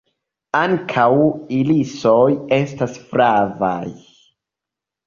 Ankaŭ irisoj estas flavaj.